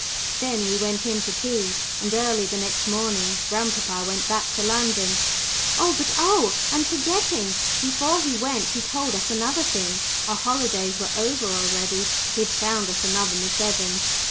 Then we went in to tea, and early the next morning grandpapa went back to London. But oh! I am forgetting before he went he told us another thing. Our holidays were over already. He had found us another Miss Evans!